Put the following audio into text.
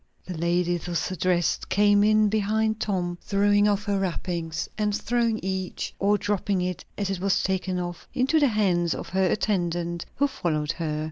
The lady thus addressed came in behind Tom, throwing off her wrappings, and throwing each, or dropping it as it was taken off, into the hands of her attendant who followed her.